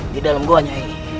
di dalam gua nyai